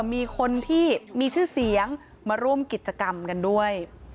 มีคนที่มีชื่อเสียงมาร่วมกิจกรรมกันด้วย